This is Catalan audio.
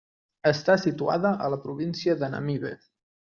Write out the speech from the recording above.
Està situada a la província de Namibe.